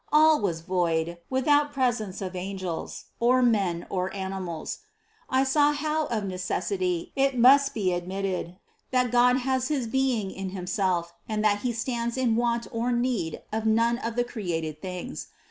All was void, without presence of angels, or men or animals. I saw how of necessity it must be ad mitted, that God has his being in Himself, and that He stands in want or need of none of the created things.